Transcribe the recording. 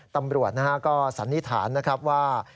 ตำรวจก็สันนิษฐานนะครับว่า